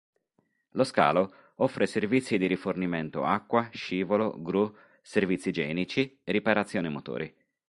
Lo scalo offre servizi di rifornimento acqua, scivolo, gru, servizi igienici e riparazione motori.